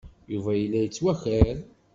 Yuba yella yettwakar.